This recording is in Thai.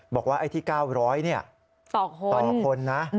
บอกว่าไอ้ที่๙๐๐ต่อคนนะ